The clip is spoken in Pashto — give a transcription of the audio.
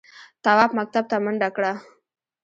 تواب مکتب ته منډه کړه.